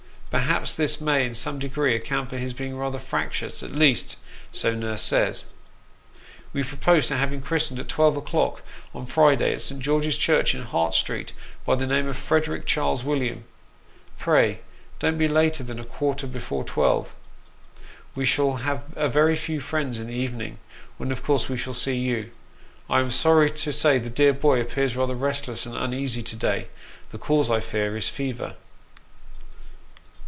Per haps this may in some degree account for his being rather fractious ; at least, so nurse says. We propose to have him christened at twelve o'clock on Friday, at Saint George's Church, in Hart Street, by the name of Frederick Charles William. Pray don't be later than a quarter before twelve. We shall have a very few friends in the evening, when of course we shall see you. I am sorry to say that the dear boy appears rather restless and uneasy to day : the cause, I fear, is fever.